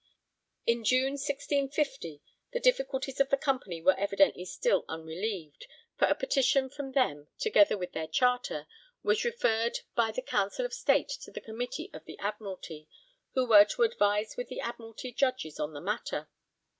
In June 1650 the difficulties of the Company were evidently still unrelieved, for a petition from them, together with their Charter, was referred by the Council of State to the Committee of the Admiralty, who were to advise with the Admiralty Judges on the matter.